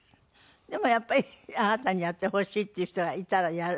でもやっぱりあなたにやってほしいっていう人がいたらやる？